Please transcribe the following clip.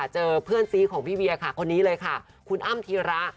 เจอเพื่อนซีของพี่เวียค่ะคนนี้เลยค่ะคุณอ้ำธีระ